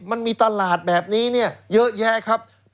มันมีตลาดแบบนี้เนี่ยเยอะแยะครับ